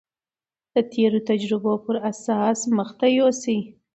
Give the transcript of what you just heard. د تېرو تجربو پر اساس مخته يوسي.